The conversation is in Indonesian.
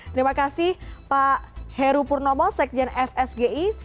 terima kasih pak heru purnomo sekjen fsgi